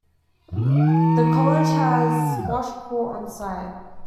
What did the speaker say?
The college has squash court on site.